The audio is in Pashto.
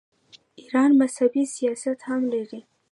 ایران مذهبي سیاحت هم لري.